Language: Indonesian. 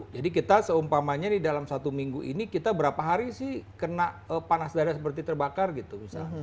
jadi kita seumpamanya dalam satu minggu ini kita berapa hari sih kena panas darah seperti terbakar gitu